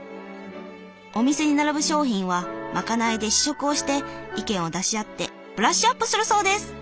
お店に並ぶ商品はまかないで試食をして意見を出し合ってブラッシュアップするそうです。